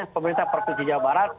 pemerintah provinsi jawa barat